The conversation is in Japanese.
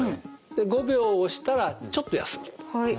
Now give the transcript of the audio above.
で５秒押したらちょっと休む。